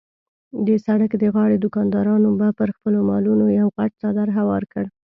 د سړک د غاړې دوکاندارانو به پر خپلو مالونو یو غټ څادر هوار کړ.